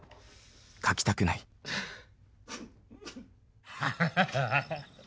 書きたくないハハハッ。